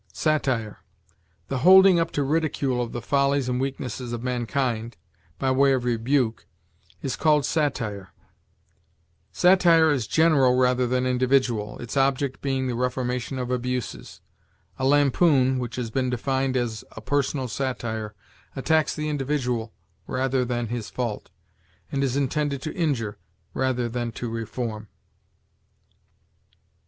SATIRE. The holding up to ridicule of the follies and weaknesses of mankind, by way of rebuke, is called satire. Satire is general rather than individual, its object being the reformation of abuses. A lampoon, which has been defined as a personal satire, attacks the individual rather than his fault, and is intended to injure rather than to reform.